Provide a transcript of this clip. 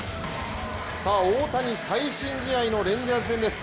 大谷、最新試合のレンジャーズ戦です。